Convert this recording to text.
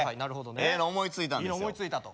ええの思いついたんですよ。